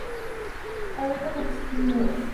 A Record of Sweet Murder